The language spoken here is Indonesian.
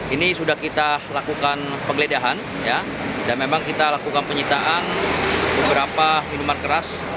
ini sudah kita lakukan penggeledahan dan memang kita lakukan penyitaan beberapa minuman keras